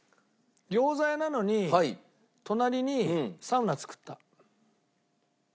餃子屋なのに隣にサウナ造った。